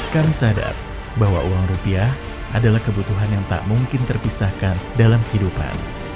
kami sadar bahwa uang rupiah adalah kebutuhan yang tak mungkin terpisahkan dalam kehidupan